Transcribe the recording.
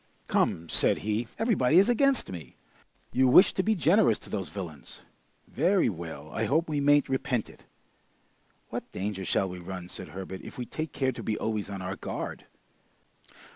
"Come!" said be. "Everybody is against me! You wish to be generous to those villains! Very well; I hope we mayn't repent it!" "What danger shall we run," said Herbert, "if we take care to be always on our guard?"